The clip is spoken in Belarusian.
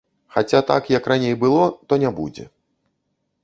Хаця так, як раней было, то не будзе.